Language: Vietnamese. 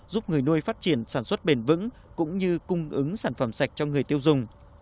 giúp người nuôi phát triển sản xuất bền vững cũng như cung ứng sản phẩm sạch cho người tiêu dùng